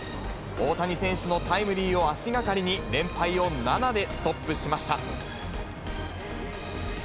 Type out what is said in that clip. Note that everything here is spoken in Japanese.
大谷選手のタイムリーを足がかりに、連敗を７でストップしました。